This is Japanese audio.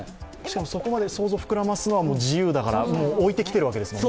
そこまで想像を膨らませるのは自由だから、その言葉を置いてきているわけですよね。